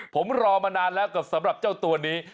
ผมรอมานานแล้วกับสำหรับเจ้าตัวนี้